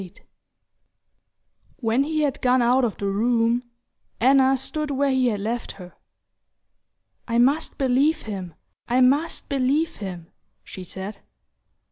XXVIII When he had gone out of the room Anna stood where he had left her. "I must believe him! I must believe him!" she said.